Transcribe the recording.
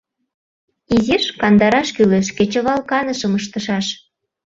Изиш кандараш кӱлеш, кечывал канышым ыштышаш.